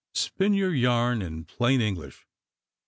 Spin your yarn in plain English."